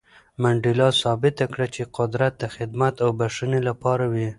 منډېلا ثابته کړه چې قدرت د خدمت او بښنې لپاره وي.